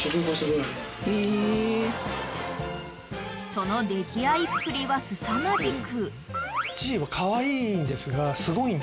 ［その溺愛っぷりはすさまじく］